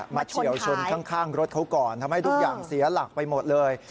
เฉียวชนข้างรถเขาก่อนทำให้ทุกอย่างเสียหลักไปหมดเลย